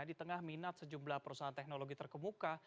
di tengah minat sejumlah perusahaan teknologi terkemuka